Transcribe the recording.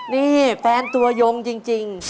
นี่แฟนตัวยงจริง